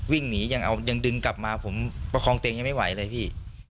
วิ่งหนียังเอายังดึงกลับมาผมประคองตัวเองยังไม่ไหวเลยพี่